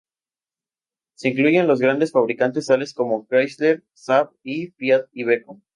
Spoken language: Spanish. Se incluyen los grandes fabricantes, tales como Chrysler, Saab y Fiat Iveco.